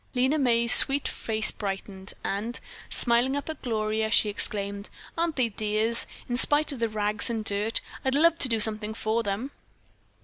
Lena May's sweet face brightened and, smiling up at Gloria, she exclaimed: "Aren't they dears, in spite of the rags and dirt? I'd love to do something for them."